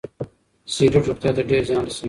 سګریټ روغتیا ته ډېر زیان رسوي.